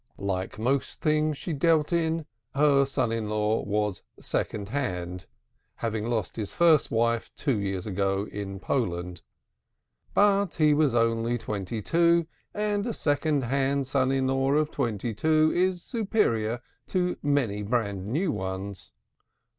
Like most things she dealt in, her son in law was second hand, having lost his first wife four years ago in Poland. But he was only twenty two, and a second hand son in law of twenty two is superior to many brand new ones.